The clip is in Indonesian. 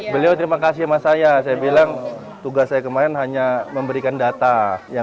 beliau terima kasih sama saya saya bilang tugas saya kemarin hanya memberikan data yang